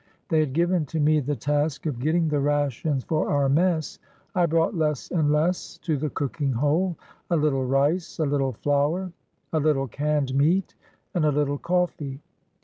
They had given to me the task of getting the rations for our mess. I brought less and less to the cooking hole; a little rice, a Httle flour, a little canned meat, and a little coffee.